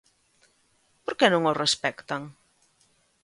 ¿Por que non os respectan?